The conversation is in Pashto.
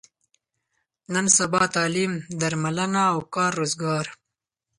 نن سبا تعلیم، درملنه او کار روزګار.